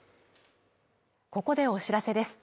ここでお知らせです